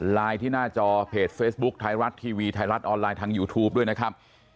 ที่หน้าจอเพจเฟซบุ๊คไทยรัฐทีวีไทยรัฐออนไลน์ทางยูทูปด้วยนะครับ